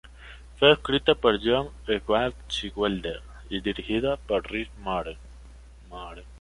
Fue escrito por John Swartzwelder y dirigido por Rich Moore.